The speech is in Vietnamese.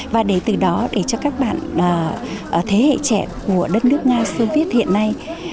và từ đó để cho các bạn thế hệ trẻ của đất nước nga sơn viết hiện nay